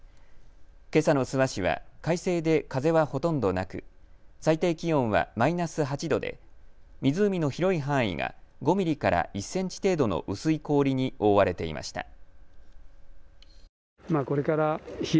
けさの諏訪市は快晴で風はほとんどなく、最低気温はマイナス８度で湖の広い範囲が５ミリから１センチ程度の薄い氷に覆われていました。